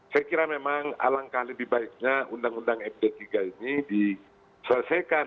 saya kira memang alangkah lebih baiknya undang undang md tiga ini diselesaikan